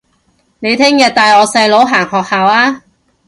你聽日帶我細佬行學校吖